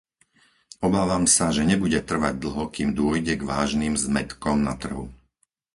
Obávam sa, že nebude trvať dlho, kým dôjde k vážnym zmätkom na trhu.